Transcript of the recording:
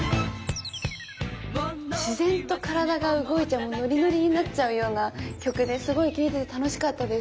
自然と体が動いてもうノリノリになっちゃうような曲ですごい聴いてて楽しかったです。